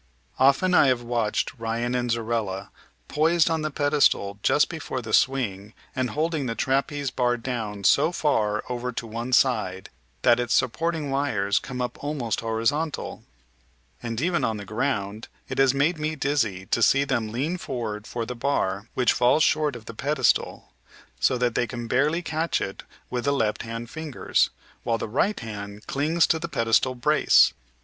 Often I have watched Ryan and Zorella poised on the pedestal just before the swing and holding the trapeze bar drawn so far over to one side that its supporting wires come up almost horizontal; and even on the ground it has made me dizzy to see them lean forward for the bar which falls short of the pedestal, so that they can barely catch it with the left hand fingers, while the right hand clings to the pedestal brace.